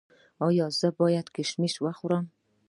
ایا زه باید کشمش وخورم؟